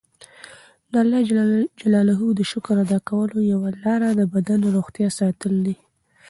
د الله ج د شکر ادا کولو یوه لاره د بدن روغتیا ساتل دي.